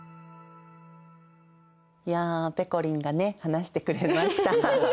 いやぺこりんがね話してくれました。